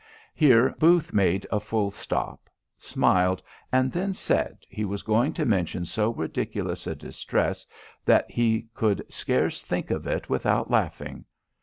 Here Booth made a full stop, smiled, and then said he was going to mention so ridiculous a distress, that he could scarce think of it without laughing.